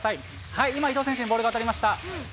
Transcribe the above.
はい、今、伊藤選手にボールが渡りました。